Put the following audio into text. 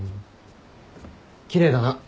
奇麗だな。